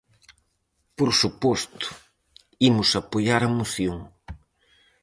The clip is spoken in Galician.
Por suposto, imos apoiar a moción.